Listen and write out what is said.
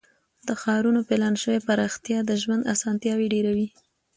د ښارونو پلان شوې پراختیا د ژوند اسانتیاوې ډیروي.